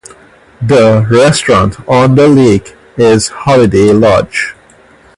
The restaurant on the lake is Holiday Lodge.